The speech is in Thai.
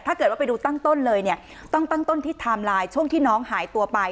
ถ้าเกิดว่าไปดูตั้งต้นเลยเนี่ยต้องตั้งต้นที่ไทม์ไลน์ช่วงที่น้องหายตัวไป